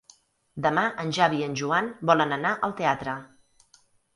Demà en Xavi i en Joan volen anar al teatre.